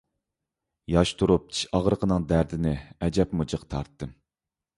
ياش تۇرۇپ چىش ئاغرىقىنىڭ دەردىنى ئەجەبمۇ جىق تارتتىم.